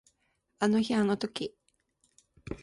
あの日あの時